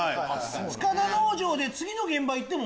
塚田農場で次の現場行っても。